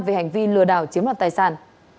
về hành vi lừa đảo chiếm đoạt tài sản